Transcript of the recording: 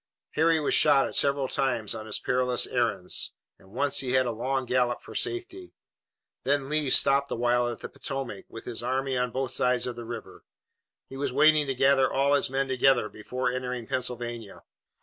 Harry was shot at several times on his perilous errands, and once he had a long gallop for safety. Then Lee stopped a while at the Potomac, with his army on both sides of the river. He was waiting to gather all his men together before entering Pennsylvania.